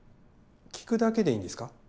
聞くだけでいいんですか？